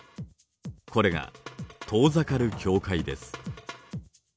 これが遠ざかる境界です。